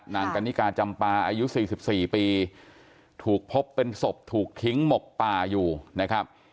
กันนิกาจำปาอายุ๔๔ปีถูกพบเป็นศพถูกทิ้งหมกป่าอยู่นะครับ